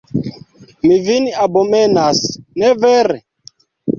Vi min abomenas, ne vere?